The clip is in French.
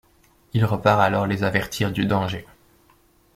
Il repart alors les avertir du danger.